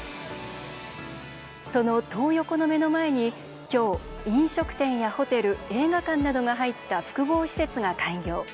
その「トー横」の目の前に今日、飲食店やホテル映画館などが入った複合施設が開業。